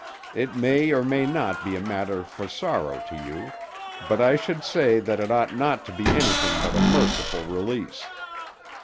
It may or may not be a matter for sorrow to you, but I should say that it ought not to be anything but a merciful release.